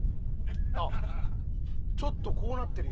あっちょっとこうなってるやん。